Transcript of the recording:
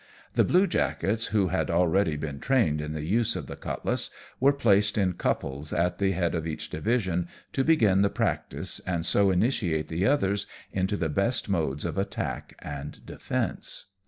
The bluejackets, who had already been trained in the use of the cutlass, were placed in couples at the head of each division to begin the practice, and so initiate the others into the best modes of attack and' defence.